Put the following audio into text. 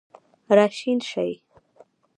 راشین شي